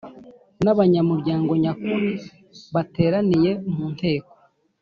n abanyamuryango nyakuri bateraniye mu Nteko